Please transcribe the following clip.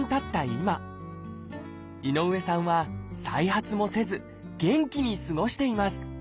今井上さんは再発もせず元気に過ごしています。